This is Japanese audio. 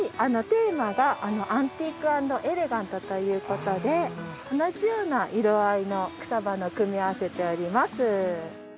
テーマが「アンティーク＆エレガント」ということで同じような色合いの草花を組み合わせております。